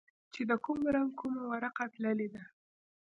چې د کوم رنگ کومه ورقه تللې ده.